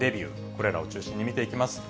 これらを中心に見ていきます。